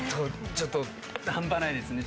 ちょっと半端ないですね。